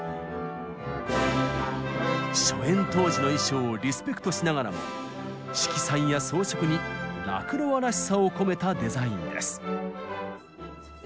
初演当時の衣装をリスペクトしながらも色彩や装飾にラクロワらしさを込めたデザインです。